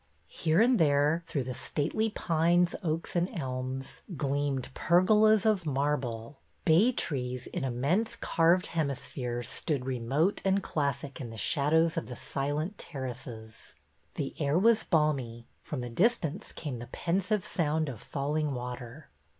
Here and there, through the stately pines, oaks, and elms, gleamed pergolas of marble ; bay trees, in immense carved hemispheres, stood remote and classic in the shadows of the silent terraces. The air was balmy; from the distance came the pensive sound of falling water.